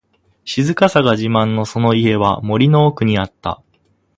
静かさが自慢のその家は、森の奥にあった。